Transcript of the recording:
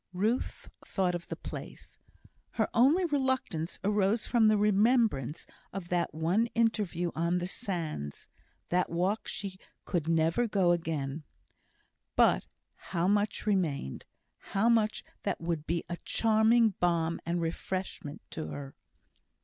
Ruth thought of the place. Her only reluctance arose from the remembrance of that one interview on the sands. That walk she could never go again; but how much remained! How much that would be a charming balm and refreshment to her!